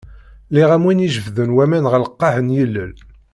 Lliɣ am win i jebden waman ɣer lqaɛ n yilel.